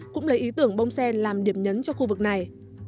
cũng lấy ý tưởng bông sen làm điểm nhấn cho khu vực này